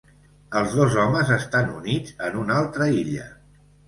Els dos homes estan units en una altra illa.